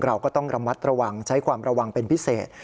เราก็ต้องระมัดระวังใช้ความระวังเป็นพิเศษ